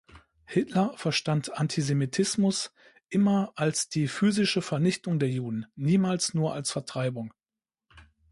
Hitler verstand Antisemitismus immer als die physische Vernichtung der Juden, niemals nur als Vertreibung.